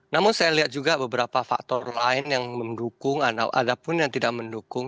namun saya lihat juga beberapa faktor lain yang mendukung ada pun yang tidak mendukung